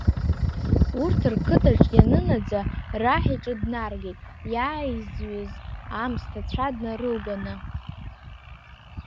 Урҭ рқыҭаҿ ианынаӡа, раҳ иҿы днаргеит, иааизҩыз аамсҭацәа днарылганы.